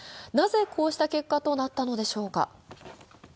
なぜこうした結果となったのでしょうか。